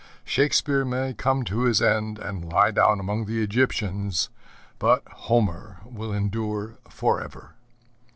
Shakespeare may come to his end and lie down among the Egyptians, but Homer will endure forever.